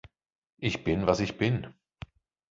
Ich bin was ich bin“.